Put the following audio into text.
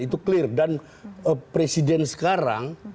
itu clear dan presiden sekarang